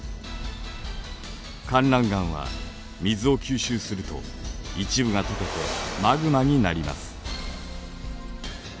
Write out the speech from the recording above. かんらん岩は水を吸収すると一部がとけてマグマになります。